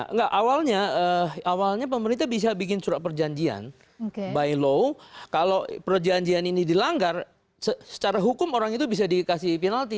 enggak awalnya awalnya pemerintah bisa bikin surat perjanjian by law kalau perjanjian ini dilanggar secara hukum orang itu bisa dikasih penalti